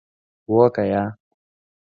هو که یا ؟